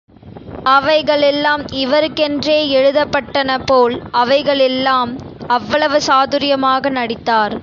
அவைகளெல்லாம் இவருக்கென்றே எழுதப்பட்டனபோல், அவைகளிலெல்லாம் அவ்வளவு சாதுர்யமாக நடித்தார்.